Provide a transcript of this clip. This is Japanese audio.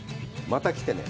また来てね。